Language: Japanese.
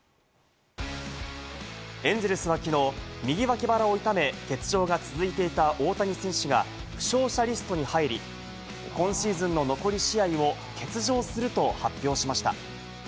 エンゼルスはきのう右脇腹を痛め、欠場が続いていた大谷選手が負傷者リストに入り、今シーズンの残り試合を欠場すると発表しました。